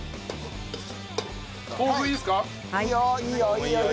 豆腐いいですか？